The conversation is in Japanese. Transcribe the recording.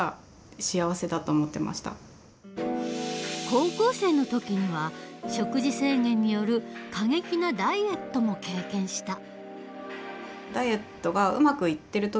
高校生の時には食事制限による過激なダイエットも経験した。